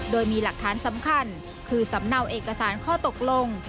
โดยมีหลักฐานสำคัญคือสำเนาเอกสารข้อตกลง